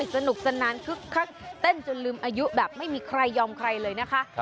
สนุกสนานคึกคักเต้นจนลืมอายุแบบไม่มีใครยอมใครเลยนะคะ